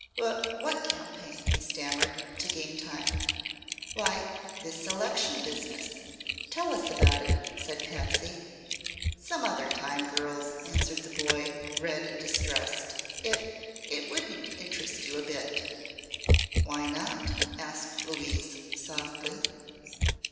"Wh what campaign?" he stammered, to gain time. "Why, this election business. Tell us about it," said Patsy. "Some other time, girls," answered the boy, red and distressed. "It it wouldn't interest you a bit." "Why not?" asked Louise, softly.